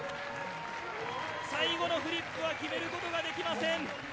最後のフリップは決めることができません。